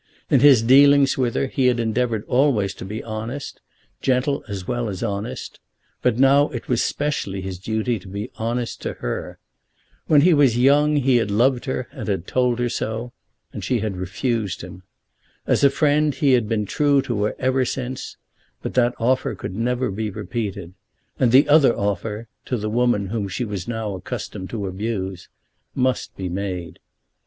In his dealings with her he had endeavoured always to be honest, gentle as well as honest; but now it was specially his duty to be honest to her. When he was young he had loved her, and had told her so, and she had refused him. As a friend he had been true to her ever since, but that offer could never be repeated. And the other offer, to the woman whom she was now accustomed to abuse, must be made.